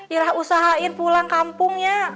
irah usahain pulang kampungnya